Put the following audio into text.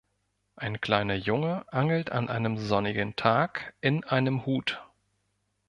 Ein kleiner Junge angelt an einem sonnigen Tag in einem Hut.